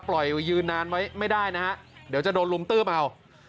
ยืนนานไว้ไม่ได้นะฮะเดี๋ยวจะโดนลุมตื้มเอา